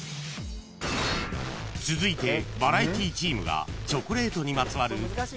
［続いてバラエティチームがチョコレートにまつわる１６